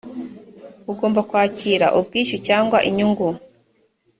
ugomba kwakira ubwishyu cyangwa inyungu